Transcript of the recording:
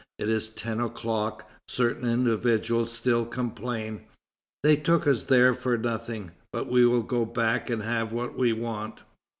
It is ten o'clock. Certain individuals still complain: "They took us there for nothing; but we will go back and have what we want."